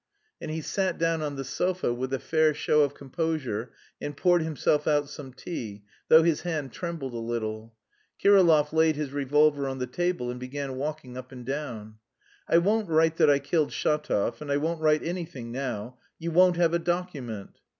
And he sat down on the sofa with a fair show of composure and poured himself out some tea, though his hand trembled a little. Kirillov laid his revolver on the table and began walking up and down. "I won't write that I killed Shatov... and I won't write anything now. You won't have a document!"